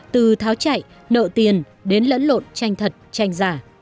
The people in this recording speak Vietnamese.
từ tháo chạy nợ tiền đến lẫn lộn tranh thật tranh giả